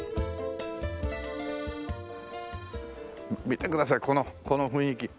見てくださいこのこの雰囲気。